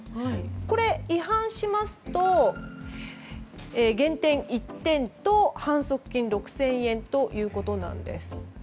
これ、違反しますと減点１点と反則金６０００円ということなんです。